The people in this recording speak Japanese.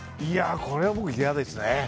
これは僕、嫌ですね。